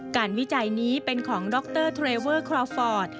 วิจัยนี้เป็นของดรเทรเวอร์คลอฟฟอร์ต